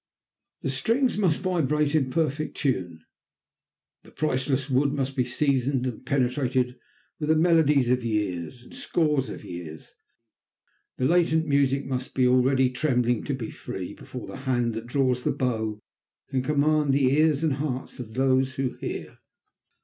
The strings must vibrate in perfect tune, the priceless wood must be seasoned and penetrated with the melodies of years, and scores of years, the latent music must be already trembling to be free, before the hand that draws the bow can command the ears and hearts of those who hear.